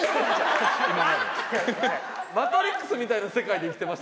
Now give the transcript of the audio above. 『マトリックス』みたいな世界で生きてました？